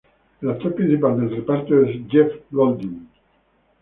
El actor principal del reparto es Jeff Goldblum.